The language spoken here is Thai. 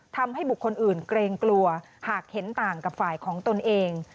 ทำให้บุคคลอื่นเกรงกลัวหากเห็นต่างกับฝ่ายของตนเอง